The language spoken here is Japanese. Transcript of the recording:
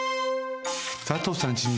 佐藤さん